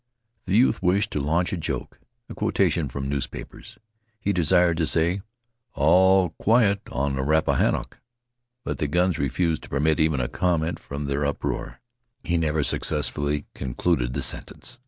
The youth wished to launch a joke a quotation from newspapers. He desired to say, "All quiet on the Rappahannock," but the guns refused to permit even a comment upon their uproar. He never successfully concluded the sentence.